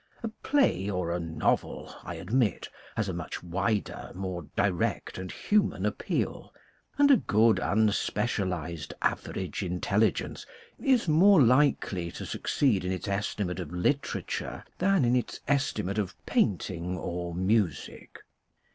A play or a novel, I admit, has a much wider, more direct and human appeal, and a good unspecialized average intelligence is more likely to succeed in its estimate of literature than in its estimate of painting or music.